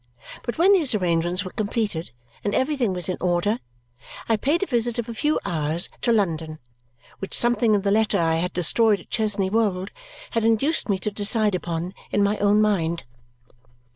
But when these arrangements were completed and everything was in order, I paid a visit of a few hours to London, which something in the letter I had destroyed at Chesney Wold had induced me to decide upon in my own mind.